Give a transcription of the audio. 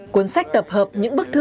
cuốn sách tập hợp những bức thư